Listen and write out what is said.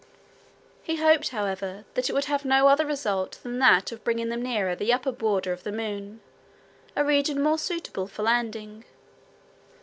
He hoped, however, that it would have no other result than that of bringing them nearer the upper border of the moon, a region more suitable for landing.